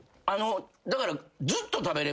だから。